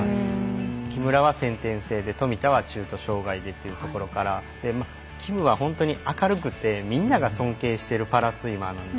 木村は先天性で富田は中途障がいでというところからキムは本当に明るくてみんなが尊敬しているパラスイマーです。